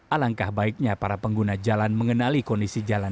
alangkah baiknya para pengguna jalan mengenali kondisi jalan